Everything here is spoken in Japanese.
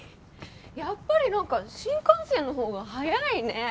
やっぱりなんか新幹線のほうが早いね。